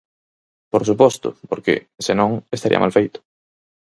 Por suposto, porque, se non, estaría mal feito.